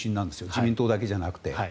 自民党だけじゃなくて。